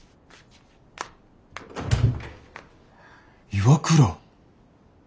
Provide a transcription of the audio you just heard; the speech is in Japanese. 岩倉。